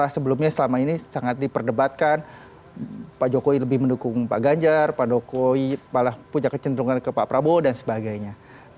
sebelumnya selama ini sangat diperdebatkan pak jokowi lebih mendukung pak ganjar pak jokowi malah punya kecenderungan ke pak prabowo dan sebagainya